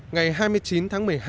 ngày hai mươi chín tháng một mươi hai